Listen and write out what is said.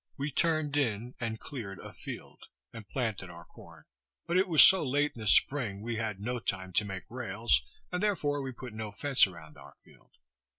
We turned in and cleared a field, and planted our corn; but it was so late in the spring, we had no time to make rails, and therefore we put no fence around our field.